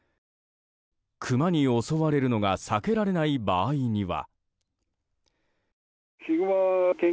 クマに襲われるのが避けられない場合には。